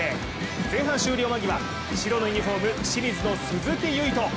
前半終了間際、白のユニフォーム、清水の鈴木唯人。